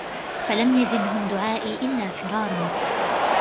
فَلَمْ يَزِدْهُمْ دُعَائِي إِلَّا فِرَارًا